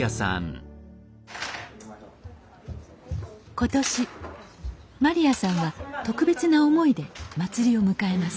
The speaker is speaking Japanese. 今年まりやさんは特別な思いで祭りを迎えます